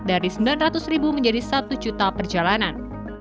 dari sembilan ratus ribu menjadi satu juta perjalanan